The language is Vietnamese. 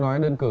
tôi nói đơn cử